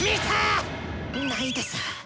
ないです。